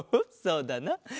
そうだな。